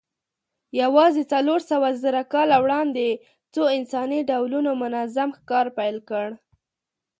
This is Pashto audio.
یواځې څلورسوهزره کاله وړاندې څو انساني ډولونو منظم ښکار پیل کړ.